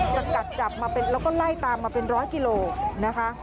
สกัดจับมาแล้วก็ไล่ตามมาเป็นร้อยกิโลนะคะ